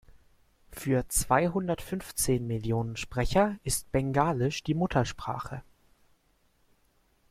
Für zweihundertfünfzehn Millionen Sprecher ist Bengalisch die Muttersprache.